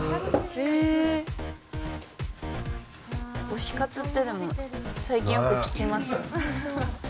推し活ってでも最近よく聞きますよ。